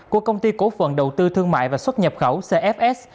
của công ty cổ phần đầu tư thương mại và xuất nhập khẩu cfs